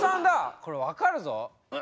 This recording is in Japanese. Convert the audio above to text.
これ分かるぞ！